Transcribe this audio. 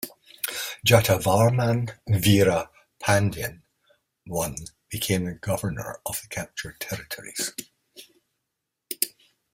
Jatavarman Veera Pandyan I became the governor of the captured territories.